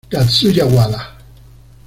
Tatsuya Wada